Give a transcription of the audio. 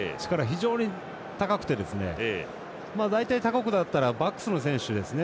非常に高くて大体、他国だったらバックスの選手ですね